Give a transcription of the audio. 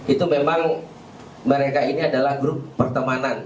itu memang mereka ini adalah grup pertemanan